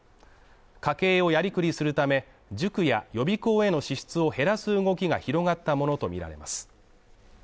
家計をやりくりするため、塾や予備校への支出を減らす動きが広がったものとみられます。